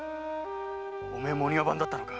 お前もお庭番だったのか？